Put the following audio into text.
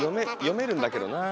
読めるんだけどなあ。